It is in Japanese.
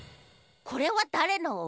これはだれのおうち？